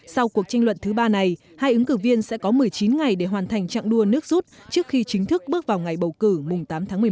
sau cuộc tranh luận thứ ba này hai ứng cử viên sẽ có một mươi chín ngày để hoàn thành trạng đua nước rút trước khi chính thức bước vào ngày bầu cử mùng tám tháng một mươi một